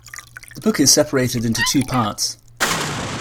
The book is separated into two parts.